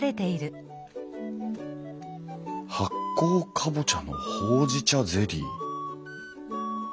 「発酵カボチャのほうじ茶ゼリー」？